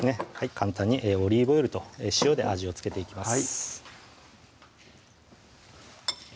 簡単にオリーブオイルと塩で味を付けていきます